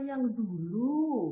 atau kamu yang dulu